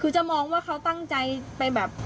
คือจะมองว่าเขาตั้งใจไปแบบ